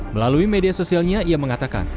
melalui media sosialnya ia mengatakan